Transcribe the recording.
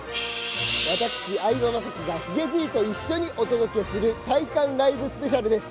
私、相葉雅紀がヒゲじいと一緒にお届けする体感ライブスペシャルです。